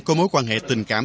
có mối quan hệ tình cảm